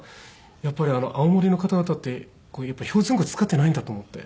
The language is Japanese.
やっぱり青森の方々って標準語使ってないんだと思って。